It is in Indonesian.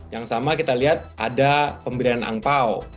yang sama kita lihat ada pemberian angpao